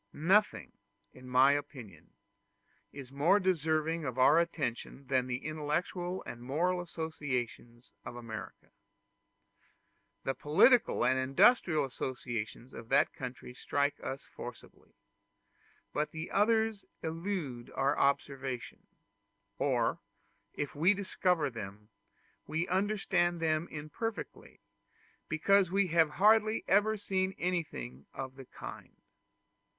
Nothing, in my opinion, is more deserving of our attention than the intellectual and moral associations of America. The political and industrial associations of that country strike us forcibly; but the others elude our observation, or if we discover them, we understand them imperfectly, because we have hardly ever seen anything of the kind.